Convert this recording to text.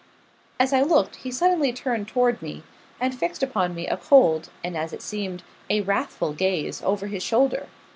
As I looked, he suddenly turned toward me, and fixed upon me a cold, and as it seemed, a wrathful gaze, over his shoulder.